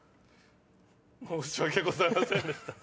申し訳ございませんでした。